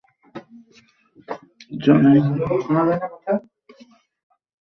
বিশ্ববিদ্যালয় কর্তৃপক্ষের অব্যবস্থাপনার কারণে নিজেদের মতো করে হলে ফিরতে হয়েছে তাঁদের।